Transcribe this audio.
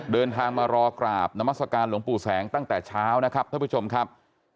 เดินทางมารอกราบนามัศกาลหลวงปู่แสงตั้งแต่เช้านะครับท่านผู้ชมครับ